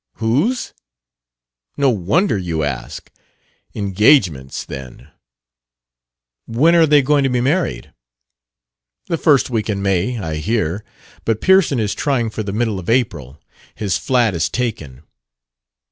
"Whose? No wonder you ask! Engagements, then." "When are they going to be married?" "The first week in May, I hear. But Pearson is trying for the middle of April. His flat is taken."